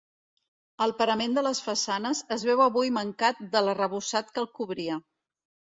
El parament de les façanes es veu avui mancat de l'arrebossat que el cobria.